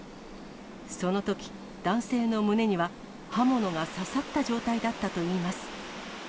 そのとき、男性の胸には刃物が刺さった状態だったといいます。